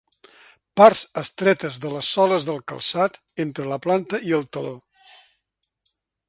Parts estretes de les soles del calçat entre la planta i el taló.